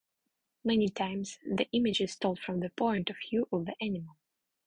Many times, the image is told from the point of view of the animal.